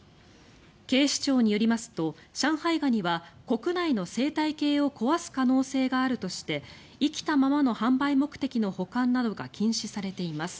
警視庁によりますと上海ガニは国内の生態系を壊す可能性があるとして生きたままの販売目的の保管などが禁止されています。